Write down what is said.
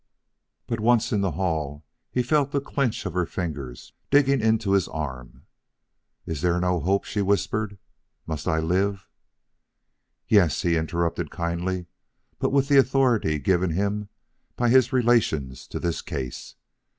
But once in the hall he felt the clinch of her fingers digging into his arm. "Is there no hope?" she whispered. "Must I live " "Yes," he interrupted kindly, but with the authority given him by his relations to this case.